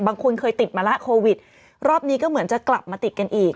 บางคนเคยติดมาแล้วโควิดรอบนี้ก็เหมือนจะกลับมาติดกันอีก